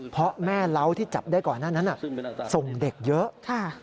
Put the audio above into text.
เพราะแม่เล้าที่จับได้ก่อนหน้านั้นส่งเด็กเยอะ